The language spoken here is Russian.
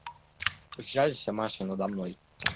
Сжалься, Маша, надо мной;